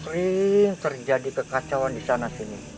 sering terjadi kekacauan disana sini